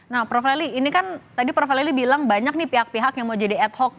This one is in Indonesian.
nah prof leli ini kan tadi prof leli bilang banyak nih pihak pihak yang mau jadi ad hoc